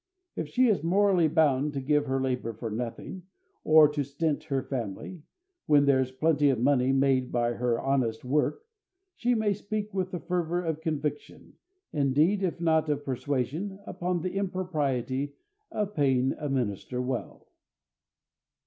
If she is morally bound to give her labor for nothing, or to stint her family, when there is plenty of money made by her honest work, she may speak with the fervor of conviction, indeed, if not of persuasion, upon the impropriety of paying a minister well.